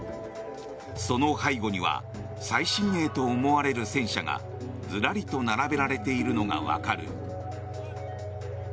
その背後には最新鋭と思われる戦車がずらりと並べられているのがわかる。